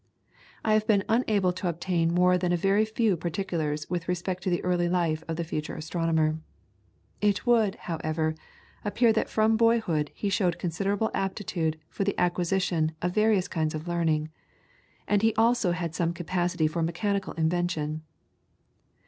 I have been unable to obtain more than a very few particulars with respect to the early life of the future astronomer. It would, however, appear that from boyhood he showed considerable aptitude for the acquisition of various kinds of learning, and he also had some capacity for mechanical invention.